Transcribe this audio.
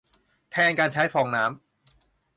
แทนการใช้ฟองน้ำ